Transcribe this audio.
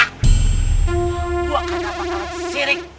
gua kagak makan sirik